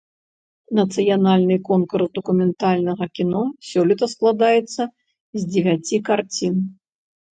Нацыянальны конкурс дакументальнага кіно сёлета складаецца з дзевяці карцін.